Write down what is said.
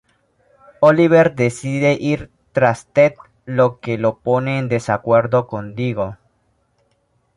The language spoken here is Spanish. Oliver decide ir tras Ted lo que lo pone en desacuerdo con Diggle.